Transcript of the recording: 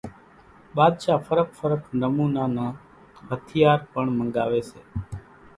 ٻاۮشاھ ڦرق ڦرق نمونا نان ھٿيار پڻ منڳاوي سي